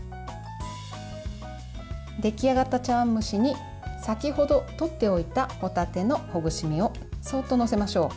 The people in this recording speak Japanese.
出来上がった茶碗蒸しに先ほど取っておいたホタテのほぐし身をそっと載せましょう。